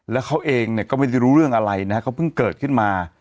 แล้วเขาเองเนี่ยก็ไม่ได้รู้เรื่องอะไรนะเขาเพิ่งเกิดขึ้นมา